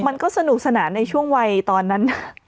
มันก็สนุกสนานในช่วงวัยตอนนั้น